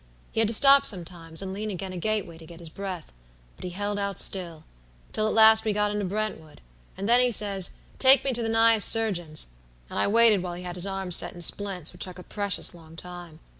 He had to stop sometimes and lean agen a gateway to get his breath; but he held out still, till at last we got into Brentwood, and then he says, 'Take me to the nighest surgeon's,' and I waited while he had his arm set in splints, which took a precious long time.